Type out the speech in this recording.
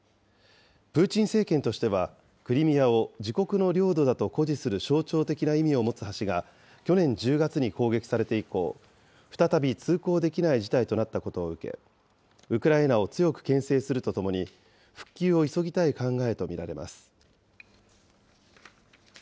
プーチン政権としては、クリミアを自国の領土だと誇示する象徴的な意味を持つ橋が、去年１０月に攻撃されて以降、再び通行できない事態となったことを受け、ウクライナを強くけん制するとともに、復旧を急ぎたい考えと見られます。